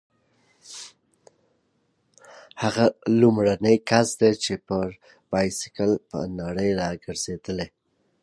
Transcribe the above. هغه لومړنی کس دی چې پر بایسکل په نړۍ راګرځېدلی.